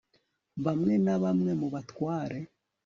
bamwe na bamwe mu batware